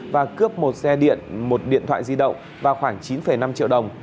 và cướp một xe điện một điện thoại di động và khoảng chín năm triệu đồng